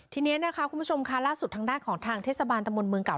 ทีนี้นะคะคุณผู้ชมค่ะล่าสุดทางด้านของทางเทศบาลตะมนต์เมืองเก่า